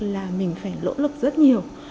là mình phải lỗ lực rất nhiều